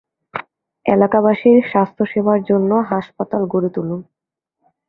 এলাকাবাসীর স্বাস্থ্যসেবার জন্য হাসপাতাল গড়ে তুলেন।